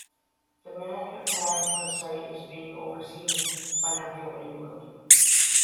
The management plan for the site is being overseen by Natural England.